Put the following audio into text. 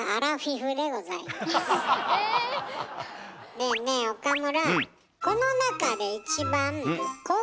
ねえねえ岡村。